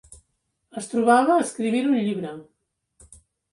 Es trobava escrivint un llibre.